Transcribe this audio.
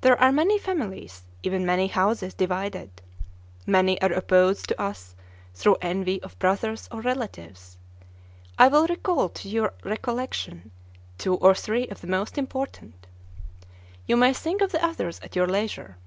There are many families, even many houses, divided; many are opposed to us through envy of brothers or relatives. I will recall to your recollection two or three of the most important; you may think of the others at your leisure.